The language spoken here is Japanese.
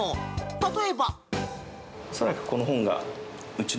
例えば。